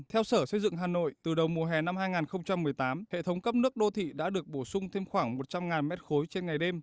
theo sở xây dựng hà nội từ đầu mùa hè năm hai nghìn một mươi tám hệ thống cấp nước đô thị đã được bổ sung thêm khoảng một trăm linh m ba trên ngày đêm